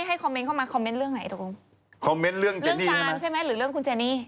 ให้คอมเม้นท์เข้ามาคอมเม้นท์เรื่องไหนตรงนี้